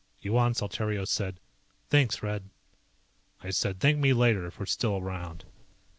Yuan Saltario said, "Thanks, Red." I said, "Thank me later, if we're still around."